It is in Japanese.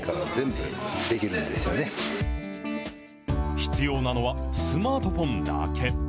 必要なのはスマートフォンだけ。